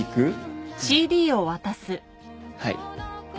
はい。